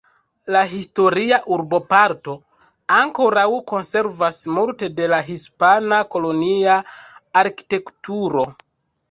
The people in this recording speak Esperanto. La historia urboparto ankoraŭ konservas multe de la hispana kolonia arkitekturo.